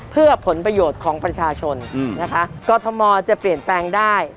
เพื่อผลประโยชน์ของประชาชนนะคะกรทมจะเปลี่ยนแปลงได้